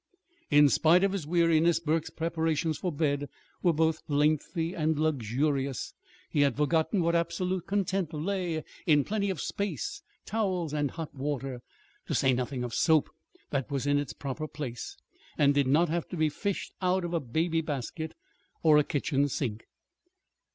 In spite of his weariness, Burke's preparations for bed were both lengthy and luxurious he had forgotten what absolute content lay in plenty of space, towels, and hot water, to say nothing of soap that was in its proper place, and did not have to be fished out of a baby basket or a kitchen sink.